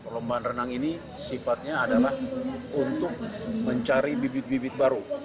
lomba renang ini sifatnya adalah untuk mencari bibit bibit baru